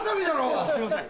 あすいません。